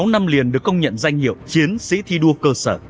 sáu năm liền được công nhận danh hiệu chiến sĩ thi đua cơ sở